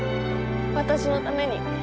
私のために。